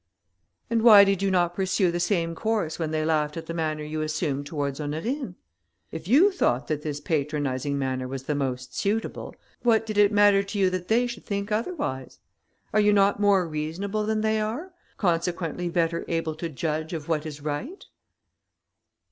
"And why did you not pursue the same course when they laughed at the manner you assumed towards Honorine? If you thought that this patronizing manner was the most suitable, what did it matter to you that they should think otherwise? Are you not more reasonable than they are, consequently better able to judge of what is right?"